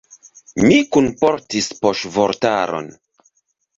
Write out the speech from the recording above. Mi kunportis poŝvortaron.